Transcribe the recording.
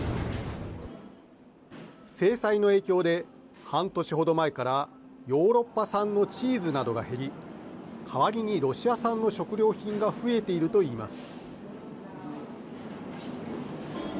制裁の影響で半年程前からヨーロッパ産のチーズなどが減り代わりにロシア産の食料品が増えていると言います。